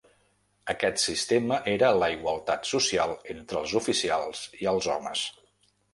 Aquest sistema era la igualtat social entre els oficials i els homes.